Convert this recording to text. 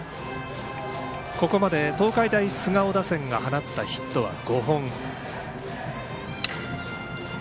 ここまで、東海大菅生打線が放ったヒットは５本。